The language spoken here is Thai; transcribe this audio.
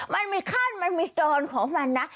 มันมีขั้นมันมีโจรของมันนะ